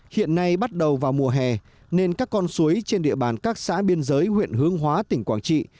hiện nay bắt đầu vào mùa hè nên các con suối trên địa bàn các xã biên giới huyện hướng hóa tỉnh quảng trị